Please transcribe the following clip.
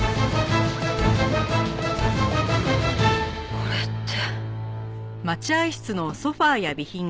これって。